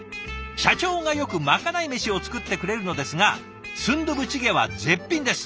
「社長がよくまかない飯を作ってくれるのですがスンドゥブチゲは絶品です」。